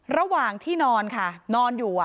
ระหว่างที่นอนค่ะนอนอยู่